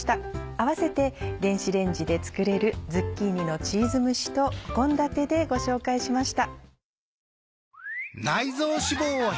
併せて電子レンジで作れる「ズッキーニのチーズ蒸し」と献立でご紹介しました。